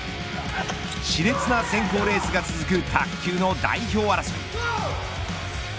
し烈な選考レースが続く卓球の代表争い。